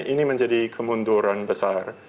ini menjadi kemunduran besar